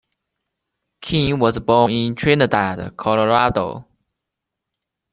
King was born in Trinidad, Colorado.